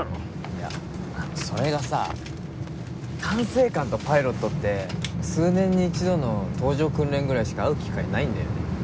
いやそれがさ管制官とパイロットって数年に一度の搭乗訓練ぐらいしか会う機会ないんだよね。